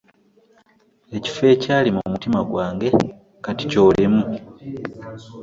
Ekifo ekyali mumutima gwange kati kyolimu .